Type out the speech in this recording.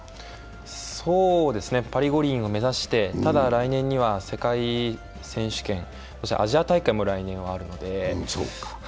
そうですね、パリ五輪を目指して、ただ来年には世界選手権、アジア大会も来年はあるので。